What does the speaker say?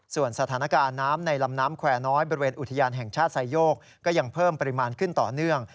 ส่วนสถานการณ์น้ำในลำน้ำแควร์น้อยบริเวณอุทยานแห่งชาติไซโยกก็ยังเพิ่มปริมาณขึ้นต่อเนื่อง